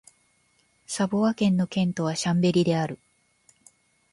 サヴォワ県の県都はシャンベリである